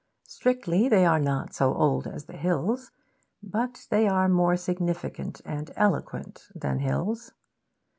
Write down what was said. Strictly, they are not so old as the hills, but they are more significant and eloquent than hills.